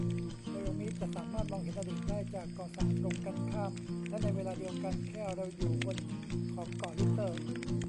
ไดออมีด จะสามารถมองเห็นอดีตได้จากเกาะฝั่งตรงกันข้าม และในเวลาเดียวกันแค่เราอยู่บนของเกาะลิตเติล